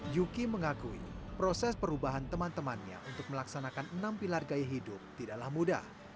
yuki mengakui proses perubahan teman temannya untuk melaksanakan enam pilar gaya hidup tidaklah mudah